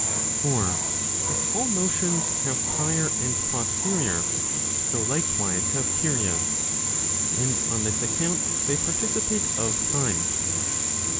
For if all motions have prior and posterior, so likewise have periods, and on this account they participate of time.